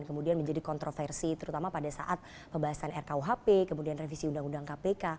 kemudian menjadi kontroversi terutama pada saat pembahasan rkuhp kemudian revisi undang undang kpk